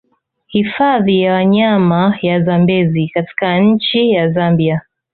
Hifadhi ya wanyama ya Zambezi katika nchi ya Zambia